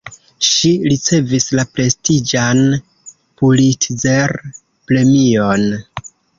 Ŝi ricevis la prestiĝan Pulitzer-premion.